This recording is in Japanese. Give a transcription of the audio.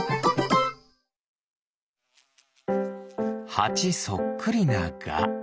ハチそっくりなガ。